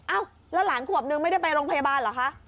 อ้าวแล้วหลานขวบนึงไม่ได้ไปโรงพยาบาลเหรอคะ